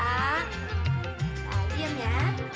ah diem ya